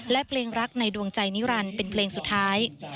และเพลงรักในดวงใจนิรันดิ์เป็นเพลงสุดท้าย